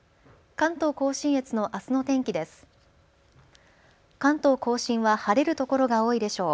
関東甲信は晴れる所が多いでしょう。